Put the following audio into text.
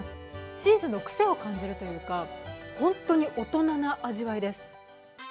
チーズの癖を感じるというか、本当に大人な味わいです。